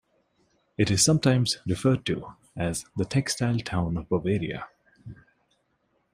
It is sometimes referred to as the "Textile Town of Bavaria".